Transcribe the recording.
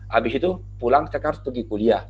habis itu pulang saya kan harus pergi kuliah